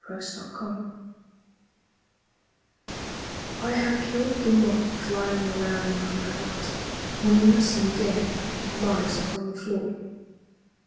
Moth Terror I HAVE killed the moth flying around my night light; wingless and dead it lies upon the floor.